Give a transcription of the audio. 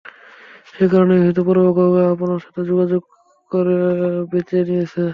সে কারণেই হয়তো পরোক্ষভাবে আপনার সাথে যোগাযোগ করা বেছে নিয়েছে।